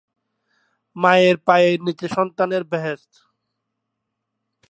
বরং এই গ্রন্থে সমান ঐকান্তিকতায় বিষ্ণু, শিব ও শক্তির মাহাত্ম্য আলোচিত হয়েছে।